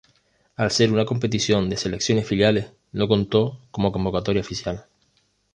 Al ser una competición de selecciones filiales, no contó como convocatoria oficial.